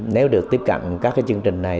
nếu được tiếp cận các chương trình này